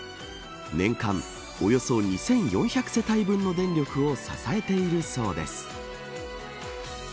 年間およそ２４００世帯分の電力を支えているそうです。